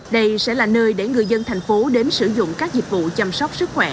đây sẽ là nơi để người dân thành phố đến sử dụng các dịch vụ chăm sóc sức khỏe